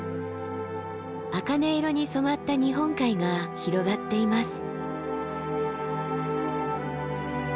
あかね色に染まった日本海が広がっています。